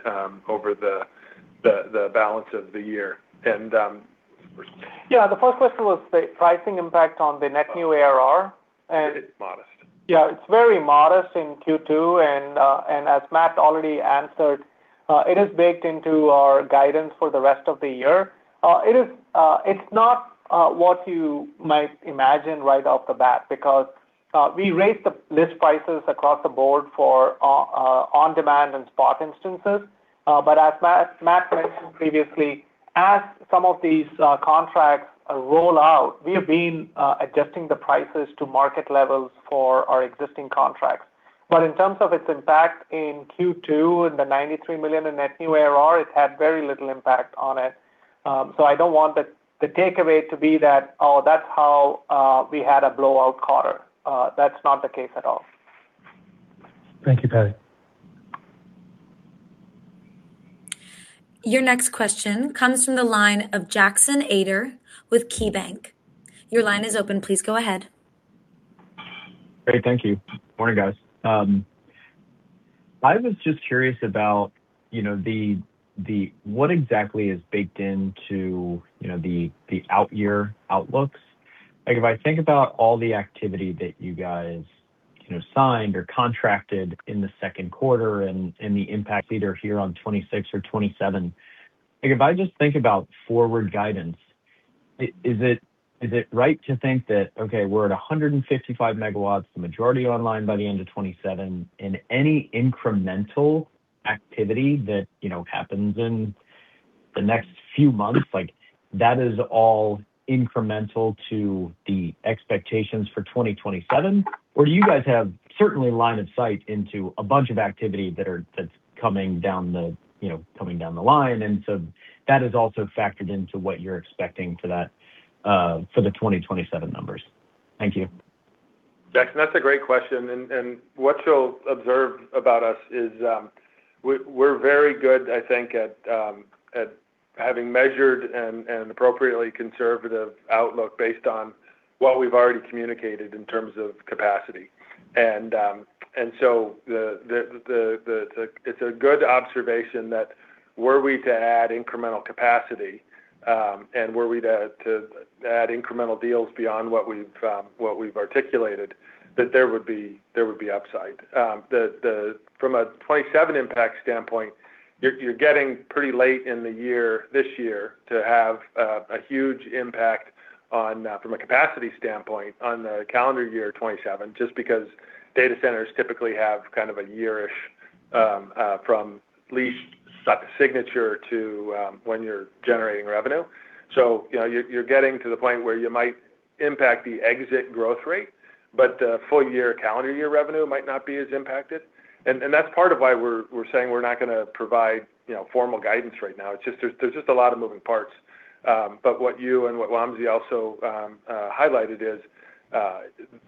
D: over the balance of the year.
C: Yeah, the first question was the pricing impact on the net new ARR.
D: It's modest.
C: It's very modest in Q2, and, as Matt already answered, it is baked into our guidance for the rest of the year. It's not what you might imagine right off the bat because we raised the list prices across the board for on-demand and spot instances. As Matt mentioned previously, as some of these contracts roll out, we have been adjusting the prices to market levels for our existing contracts. In terms of its impact in Q2 and the $93 million in net new ARR, it had very little impact on it. I don't want the takeaway to be that, oh, that's how we had a blowout quarter. That's not the case at all.
J: Thank you. Bye.
A: Your next question comes from the line of Jackson Ader with KeyBanc. Your line is open. Please go ahead.
K: Great. Thank you. Morning, guys. I was just curious about what exactly is baked into the out-year outlooks. If I think about all the activity that you guys signed or contracted in the second quarter and the impact either here on 2026 or 2027, if I just think about forward guidance, is it right to think that, okay, we're at 155 MW, the majority online by the end of 2027, and any incremental activity that happens in the next few months, like, that is all incremental to the expectations for 2027? Or do you guys have certainly line of sight into a bunch of activity that's coming down the line, and so that is also factored into what you're expecting for the 2027 numbers? Thank you.
D: Jackson, that's a great question. What you'll observe about us is we're very good, I think, at having measured and appropriately conservative outlook based on what we've already communicated in terms of capacity. It's a good observation that were we to add incremental capacity and were we to add incremental deals beyond what we've articulated, that there would be upside. From a 2027 impact standpoint, you're getting pretty late in the year, this year, to have a huge impact from a capacity standpoint on the calendar year 2027, just because data centers typically have kind of a year-ish from lease signature to when you're generating revenue. You're getting to the point where you might impact the exit growth rate, but full year calendar year revenue might not be as impacted. That's part of why we're saying we're not going to provide formal guidance right now. There's just a lot of moving parts. What you and what Wamsi also highlighted is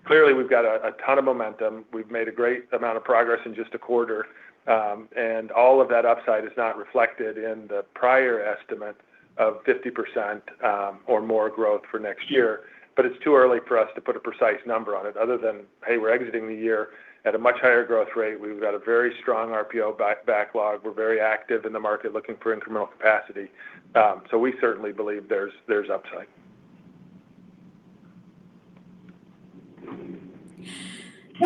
D: clearly we've got a ton of momentum. We've made a great amount of progress in just a quarter, and all of that upside is not reflected in the prior estimate of 50% or more growth for next year. But it's too early for us to put a precise number on it other than, hey, we're exiting the year at a much higher growth rate. We've got a very strong RPO backlog. We're very active in the market looking for incremental capacity. So, we certainly believe there's upside.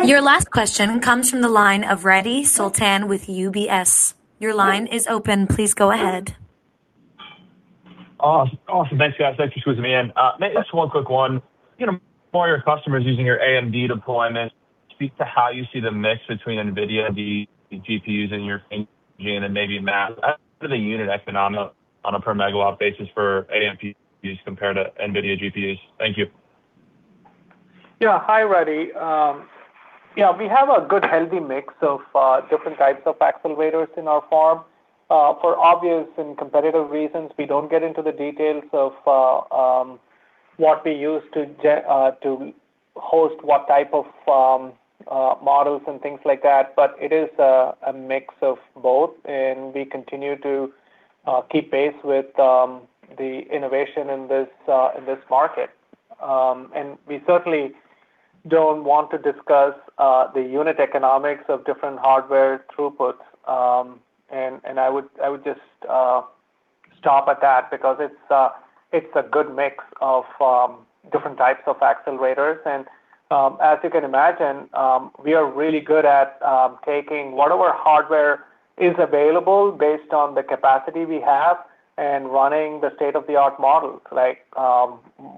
A: Your last question comes from the line of Radi Sultan with UBS. Your line is open. Please go ahead.
L: Awesome. Thanks, guys. Thank you for squeezing me in. Maybe just one quick one. More of your customers using your AMD deployment. Speak to how you see the mix between NVIDIA GPUs in your engine and maybe Matt, as for the unit economics on a per megawatt basis for AMD GPUs compared to NVIDIA GPUs. Thank you.
C: Yeah. Hi, Radi. We have a good, healthy mix of different types of accelerators in our farm. For obvious and competitive reasons, we don't get into the details of what we use to host what type of models and things like that, but it is a mix of both, and we continue to keep pace with the innovation in this market. We certainly don't want to discuss the unit economics of different hardware throughputs. I would just stop at that because it's a good mix of different types of accelerators. As you can imagine, we are really good at taking whatever hardware is available based on the capacity we have and running the state-of-the-art models. Like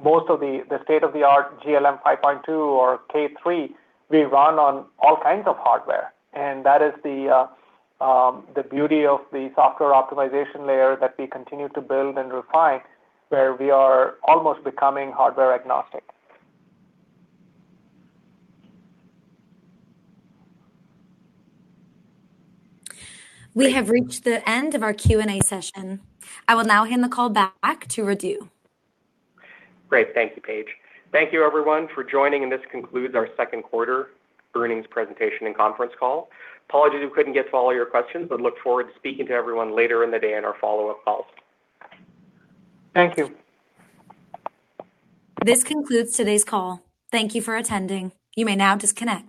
C: most of the state-of-the-art GLM-5.2 or K3, we run on all kinds of hardware. That is the beauty of the software optimization layer that we continue to build and refine, where we are almost becoming hardware agnostic.
A: We have reached the end of our Q&A session. I will now hand the call back to Radu.
B: Great. Thank you, Paige. Thank you, everyone, for joining. This concludes our second quarter earnings presentation and conference call. Apologies we couldn't get to all your questions but look forward to speaking to everyone later in the day in our follow-up calls.
C: Thank you.
A: This concludes today's call. Thank you for attending. You may now disconnect.